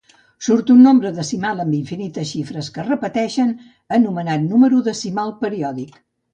Surt un nombre decimal amb infinites xifres que es repeteixen anomenat número decimal periòdic